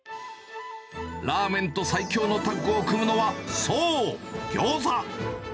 ラーメンと最強のタッグを組むのは、そう、ギョーザ。